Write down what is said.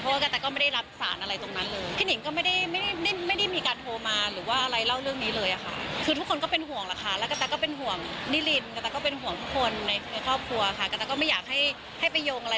เพราะว่ากะแตก็ไม่ได้รับสารอะไรตรงนั้นเลยพี่หนิงก็ไม่ได้ไม่ได้ไม่ได้ไม่ได้มีการโทรมาหรือว่าอะไรเล่าเรื่องนี้เลยค่ะคือทุกคนก็เป็นห่วงล่ะค่ะแล้วกะแตก็เป็นห่วงนิรินกะแตก็เป็นห่วงทุกคนในครอบครัวค่ะกะแตก็ไม่อยากให้ให้ไปโยงอะไร